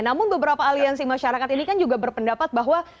namun beberapa aliansi masyarakat ini kan juga berpendapat bahwa